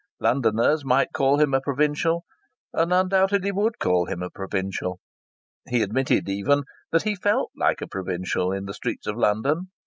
Londoners might call him a provincial, and undoubtedly would call him a provincial; he admitted, even, that he felt like a provincial in the streets of London.